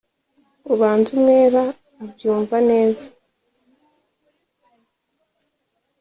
ubanza umwera abyumva neza